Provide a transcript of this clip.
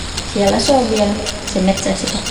Siellä se on vielä, se metsäsika.